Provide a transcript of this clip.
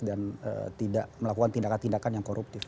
tidak melakukan tindakan tindakan yang koruptif